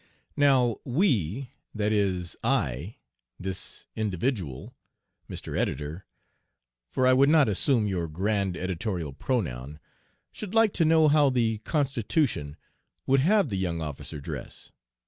"Now we (that is I, this individual, Mr. Editor, for I would not assume your grand editorial pronoun) should like to know how the Constitution would have the young officer dress.